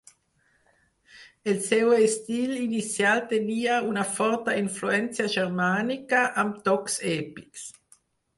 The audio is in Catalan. El seu estil inicial tenia una forta influència germànica, amb tocs èpics.